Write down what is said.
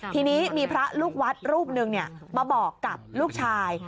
ทีนี้มีพระลูกวัดรูปหนึ่งมาบอกกับลูกชาย